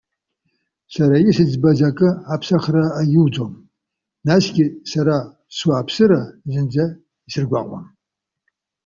Сара исыӡбаз акы аԥсахра аиуӡом, насгьы сара, суааԥсыра зынӡа исыргәаҟуам.